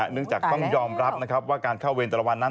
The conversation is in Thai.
เนื่องจากต้องยอมรับนะครับว่าการเข้าเวรแต่ละวันนั้น